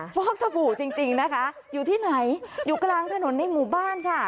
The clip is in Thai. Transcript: ฟอกสบู่จริงนะคะอยู่ที่ไหนอยู่กลางถนนในหมู่บ้านค่ะ